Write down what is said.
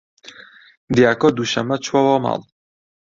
دیاکۆ دووشەممە چووەوە ماڵ.